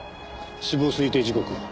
死亡推定時刻は？